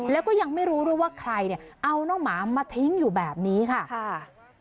แล้วก็ยังไม่รู้ด้วยว่าใครเนี่ยเอาน้องหมามาทิ้งอยู่แบบนี้ค่ะค่ะ